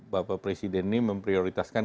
bapak presiden ini memprioritaskan